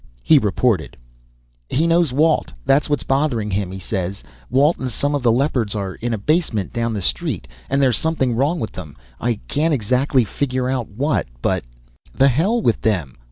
He reported: "He knows Walt; that's what's bothering him. He says Walt and some of the Leopards are in a basement down the street, and there's something wrong with them. I can't exactly figure out what, but " "The hell with them.